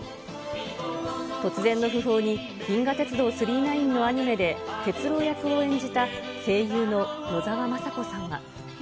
突然の訃報に、銀河鉄道９９９のアニメで鉄郎役を演じた声優の野沢雅子さんは。